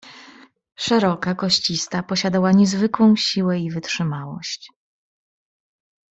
"Szeroka, koścista posiadała niezwykłą siłę i wytrzymałość."